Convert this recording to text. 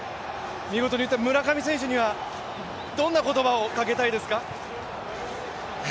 見事に打った村上選手にはどんな言葉をかけたいですか？